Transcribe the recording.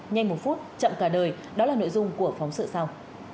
nhanh một phút chậm cả đời đó là nội dung của phóng sự sau